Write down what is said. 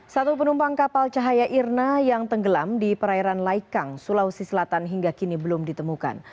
satu penumpang kapal cahaya irna yang tenggelam di perairan laikang sulawesi selatan hingga kini belum ditemukan